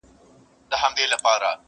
سل سپرلي دي را وسته چي راغلې ګلابونو کي,